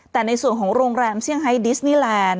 แต่ในส่วนของโรงแรมเซี่ยงไฮดิสมิแลนด์